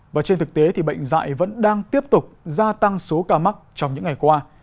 và trên thực tế thì bệnh dạy vẫn đang tiếp tục gia tăng số ca mắc trong những ngày qua